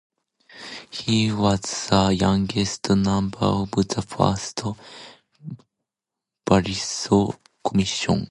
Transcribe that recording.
He was the youngest member of the first Barroso Commission.